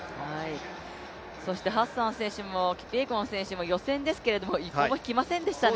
ハッサン選手もキピエゴン選手も予選ですけれども一歩も引きませんでしたね。